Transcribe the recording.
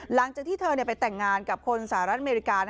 หลังจากที่เธอไปแต่งงานกับคนสหรัฐอเมริกา